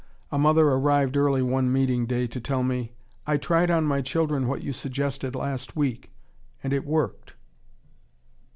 A mother arrived early one meeting day to tell me, "I tried on my children what you suggested last week, and it worked."